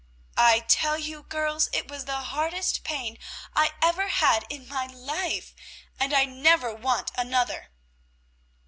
"I tell you, girls, it was the hardest pain I ever had in my life, and I never want another."